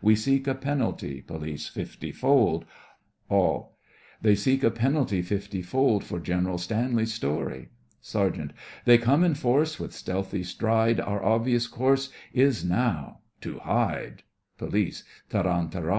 We seek a penalty POLICE: Fifty fold! ALL: They (We) seek a penalty fifty fold, For General Stanley's story. SERGEANT: They come in force, with stealthy stride, Our obvious course is now—to hide. POLICE: Tarantara!